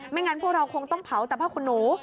ไม่งั้นพวกเราคงต้องเผาตัดผ้าขุนนู